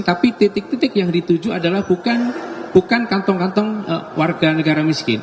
tapi titik titik yang dituju adalah bukan kantong kantong warga negara miskin